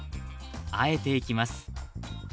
和えていきます